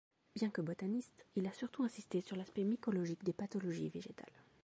Bien que botaniste, il a surtout insisté sur l'aspect mycologique des pathologies végétales.